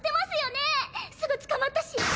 すぐ捕まったし！